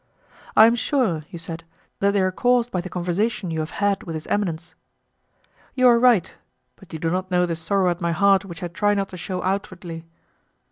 "I am sure," he said, "that they are caused by the conversation you have had with his eminence." "You are right; but you do not know the sorrow at my heart which I try not to shew outwardly."